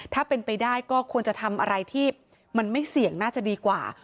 ถ้าเป็นไปได้ก็ควรจะทำอะไรที่มันไม่เสี่ยงน่าจะดีกว่า